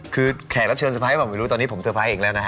คือแขกรับเชิญเตอร์ไพรสบอกไม่รู้ตอนนี้ผมเตอร์ไพรส์อีกแล้วนะฮะ